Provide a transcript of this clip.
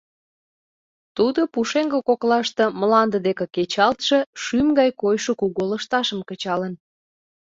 Тудо пушеҥге коклаште мланде деке кечалтше, шӱм гай койшо кугу лышташым кычалын.